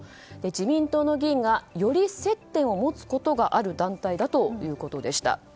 自民党の議員がより接点を持つことがある団体だということでした。